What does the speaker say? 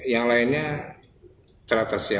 yang lainnya teratas ya